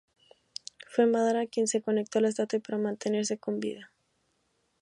Fue Madara quien se conectó a la estatua para mantenerse con vida.